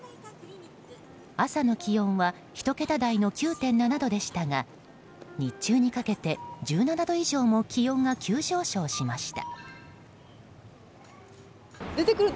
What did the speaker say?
朝の気温は１桁台の９．７度でしたが日中にかけて１７度以上も気温が急上昇しました。